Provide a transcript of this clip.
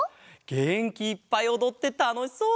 げんきいっぱいおどってたのしそう！